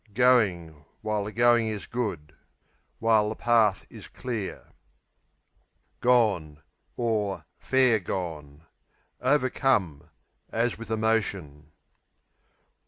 Going (while the going is good) While the path is clear. Gone (fair gone) Overcome, as with emotion.